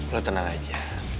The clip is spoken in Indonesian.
lo tenang aja